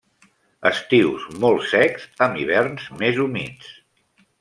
Estius molt secs amb hiverns més humits.